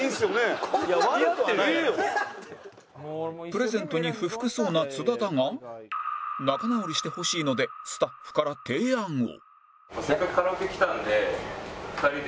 プレゼントに不服そうな津田だが仲直りしてほしいのでスタッフから提案を